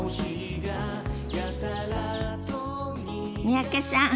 三宅さん